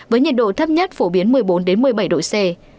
với nhiệt độ thấp nhất phổ biến một mươi bốn một mươi bảy độ c